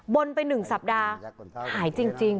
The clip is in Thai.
วิทยาลัยศาสตรี